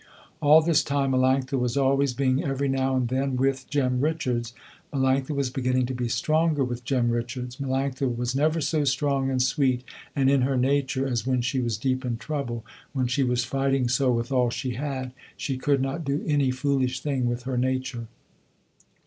All this time Melanctha was always being every now and then with Jem Richards. Melanctha was beginning to be stronger with Jem Richards. Melanctha was never so strong and sweet and in her nature as when she was deep in trouble, when she was fighting so with all she had, she could not do any foolish thing with her nature.